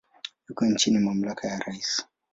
Yuko chini ya mamlaka ya rais.